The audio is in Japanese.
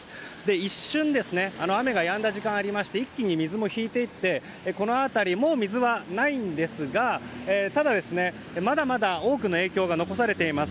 一瞬雨がやんだ時間がありまして一気に水も引いていってこの辺りはもう水はないんですがまだまだ多くの影響が残されています。